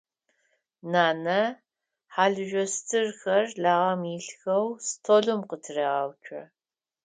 Нанэ хьалыжъо стырхэр лагъэм илъхэу столым къытырегъэуцо.